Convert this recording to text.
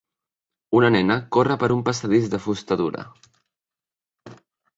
Una nena corre per un passadís de fusta dura